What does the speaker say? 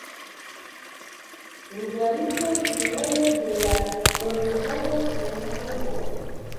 Lugarico Viejo de la Bronzepoko kun tomboj.